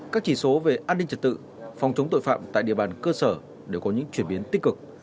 các chỉ số về an ninh trật tự phòng chống tội phạm tại địa bàn cơ sở đều có những chuyển biến tích cực